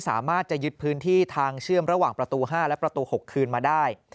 สามารถจะยึดพื้นที่ทางเชื่อมระหว่างประตู๕และประตู๖คืนมาได้